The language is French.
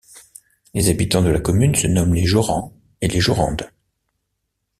Les habitants de la commune se nomment les Jaurands et les Jaurandes.